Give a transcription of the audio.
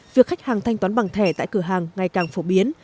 việc khách hàng thanh toán bằng thẻ tại cửa hàng ngày càng phổ biến